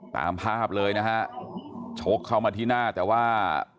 ตามภาพเลยนะฮะชกเข้ามาที่หน้าแต่ว่า